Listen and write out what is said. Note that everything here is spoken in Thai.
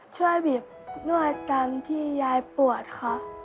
ช่วยบีบนวดตามที่ยายปวดค่ะ